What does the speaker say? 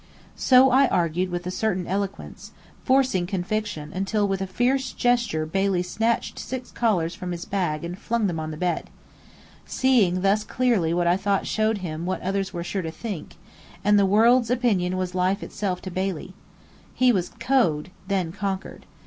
So I argued with a certain eloquence, forcing conviction until with a fierce gesture Bailey snatched six collars from his bag and flung them on the bed. Seeing thus clearly what I thought showed him what others were sure to think: and the world's opinion was life itself to Bailey. He was cowed, then conquered.